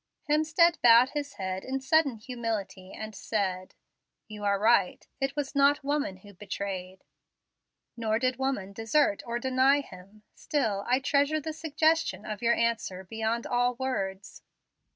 Hemstead bowed his head in sudden humility, and said: "You are right. It was not woman who betrayed, nor did woman desert or deny Him. Still I treasure the suggestion of your answer beyond all words."